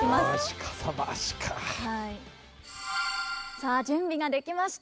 さあ準備ができました。